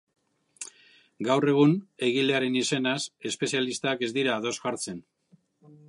Gaur egun egilearen izenaz espezialistak ez dira ados jartzen.